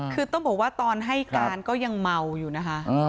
คือต้องบอกว่าตอนให้การก็ยังเมาอยู่นะคะ